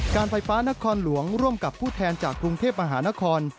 การไฟฟ้านครหลวงร่วมกับผู้แทนจากกรุงเทพมหานคร